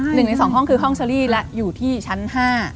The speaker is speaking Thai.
หนึ่งในสองห้องคือห้องเชอรี่และอยู่ที่ชั้น๕